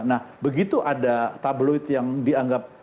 nah begitu ada tabloid yang dianggap